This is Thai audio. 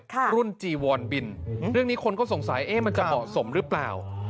รุ่นจีวอนบินเรื่องนี้คนก็สงสัยเอ๊ะมันจะเหมาะสมหรือเปล่า